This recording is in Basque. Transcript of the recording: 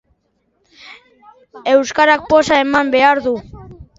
Euskarak poza eman behar du.